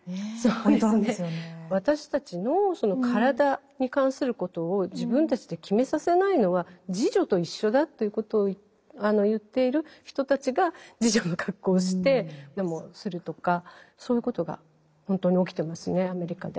私たちの体に関することを自分たちで決めさせないのは「侍女」と一緒だということを言っている人たちが侍女の格好をしてデモをするとかそういうことが本当に起きてますねアメリカで。